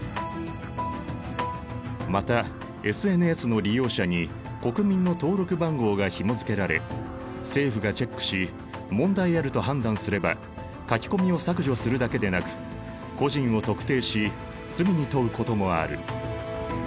またＳＮＳの利用者に国民の登録番号がひもづけられ政府がチェックし問題あると判断すれば書き込みを削除するだけでなく個人を特定し罪に問うこともある。